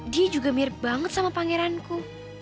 dia juga mirip banget sama pangeranku